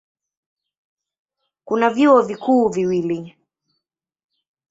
Kuna vyuo vikuu viwili.